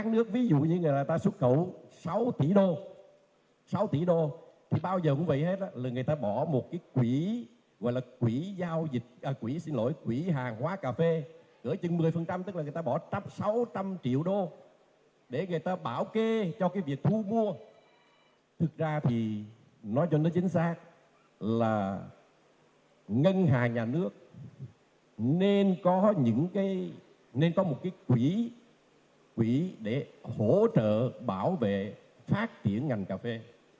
nên có một cái quỹ để hỗ trợ bảo vệ phát triển ngành cà phê